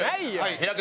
「開く。